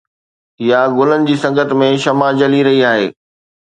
يا گلن جي سنگت ۾ شمع جلي رهي آهي؟